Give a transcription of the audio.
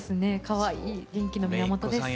かわいい元気の源です。